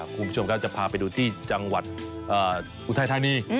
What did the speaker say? คุณผู้ชมครับจะพาไปดูที่จังหวัดอุทัยธานี